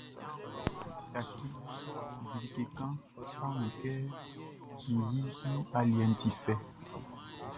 Yaki, di like kan; á wún kɛ min yiʼn i aliɛʼn ti fɛ.